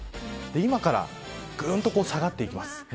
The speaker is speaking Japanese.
今からぐんと下がっていきます。